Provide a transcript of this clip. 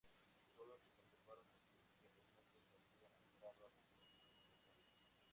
Solo se conservaron aquellos que realmente se habían adaptado a las condiciones locales.